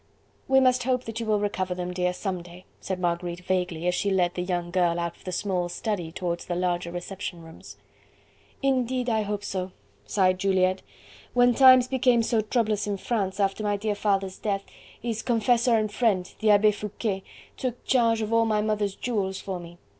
"We must hope that you will recover them, dear, some day," said Marguerite vaguely, as she led the young girl out of the small study towards the larger reception rooms. "Indeed I hope so," sighed Juliette. "When times became so troublous in France after my dear father's death, his confessor and friend, the Abbe Foucquet, took charge of all my mother's jewels for me.